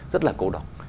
rất là cô độc